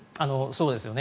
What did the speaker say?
そうですよね。